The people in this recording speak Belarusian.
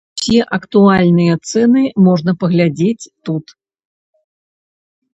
Усе актуальныя цэны можна паглядзець тут.